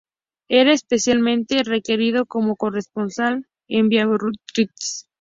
Era especialmente requerido como corresponsal en Biarritz.